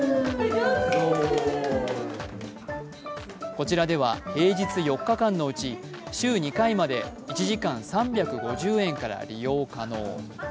こちらでは平日４日間のうち週２回まで１時間３５０円から利用が可能。